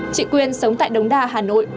chị quyên sống tại đống đa hà nội